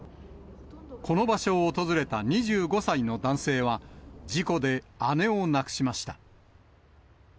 この場所を訪れた２５歳の男性は、事故で姉を亡くしました。